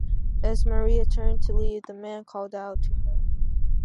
As Maria turned to leave, the man called out to her.